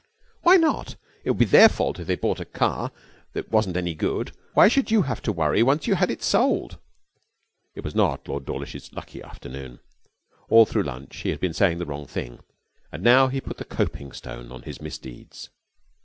'Why not? It would be their fault if they bought a car that wasn't any good. Why should you have to worry once you had it sold?' It was not Lord Dawlish's lucky afternoon. All through lunch he had been saying the wrong thing, and now he put the coping stone on his misdeeds.